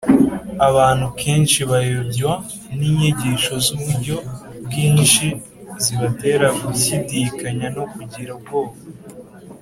abantu kenshi bayobywa n'inyigisho z'uburyo bwinshi zibatera gushyidikanya no kugira ubwoba